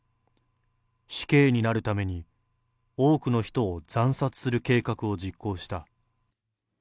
死刑になるために、多くの人を惨殺する計画を実行した。